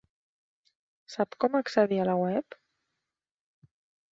Sap com accedir a la web?